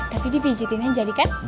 tapi dipijitinnya jadi kan